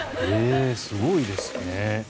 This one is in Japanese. すごいですね。